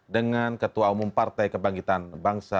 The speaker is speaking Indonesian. dengan ketua umum partai kebangkitan bangsa